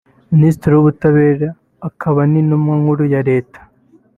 Minisitiri w’ubutabera akaba n’Intumwa nkuru ya Leta